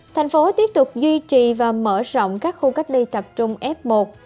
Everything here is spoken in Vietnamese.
thành phố tiếp tục duy trì và mở rộng các khu cách ly tập trung f một